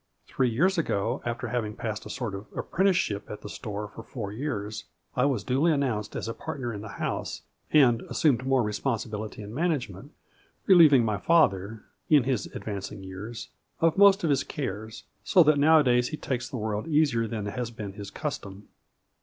Three years ago, after having passed a sort of apprenticeship at the store for four years, I was duly announced as a partner in the house and assumed more responsibility in 6 A FLUKE Y Itf DIAMONDS. management, relieving my father, in his advanc ing years, of most of his cares, so that nowa days he takes the world easier than has been his custom.